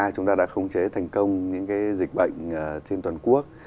chúng ta đã khống chế thành công những dịch bệnh trên toàn quốc